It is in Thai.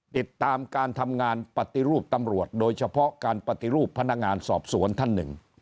ติดตามการทำงานปฏิรูปตำรวจโดยเฉพาะการปฏิรูปพนักงานสอบสวนท่านหนึ่ง